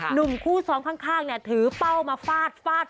หนุ่มคู่ซ้อมข้างถือเป้ามาฟาด